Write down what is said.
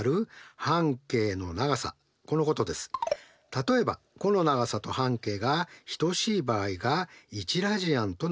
例えば弧の長さと半径が等しい場合が１ラジアンとなります。